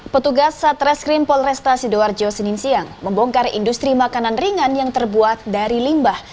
petugas satreskrim polresta sidoarjo senin siang membongkar industri makanan ringan yang terbuat dari limbah